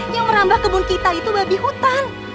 yang merambah kebun kita itu babi hutan